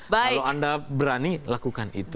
kalau anda berani lakukan itu